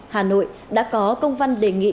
hà nội đã có công văn đề nghị